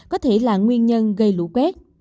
có thể là nguyên nhân gây lũ quét